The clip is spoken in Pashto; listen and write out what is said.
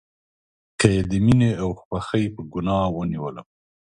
که یې د میینې او خوښۍ په ګناه ونیولم